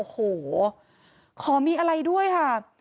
ขอมีอะไรด้วยค่ะ